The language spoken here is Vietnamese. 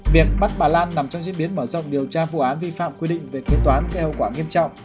việc bắt bà lan nằm trong diễn biến mở rộng điều tra vụ án vi phạm quy định về kế toán gây hậu quả nghiêm trọng